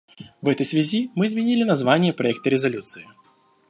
В этой связи мы изменили название проекта резолюции.